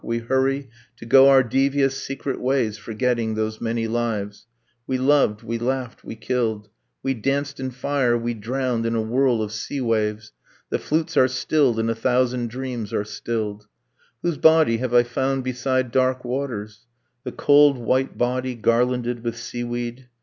We hurry To go our devious secret ways, forgetting Those many lives ... We loved, we laughed, we killed, We danced in fire, we drowned in a whirl of sea waves. The flutes are stilled, and a thousand dreams are stilled. Whose body have I found beside dark waters, The cold white body, garlanded with sea weed?